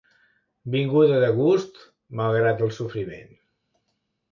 Vinguda de gust, malgrat el sofriment.